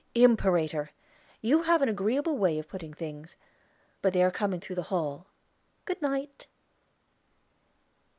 "Imperator, you have an agreeable way of putting things. But they are coming through the hall. Good night."